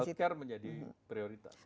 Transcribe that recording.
jadi healthcare menjadi prioritas